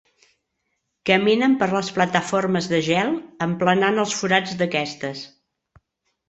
Caminen per les plataformes de gel, emplenant els forats d'aquestes.